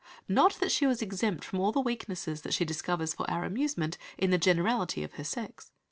Not that she was exempt from all the weaknesses that she discovers for our amusement in the generality of her sex.